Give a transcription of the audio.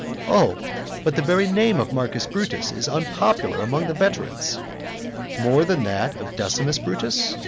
Oh, but the very name of Marcus Brutus is unpopular among the veterans. More than that of Decimus Brutus?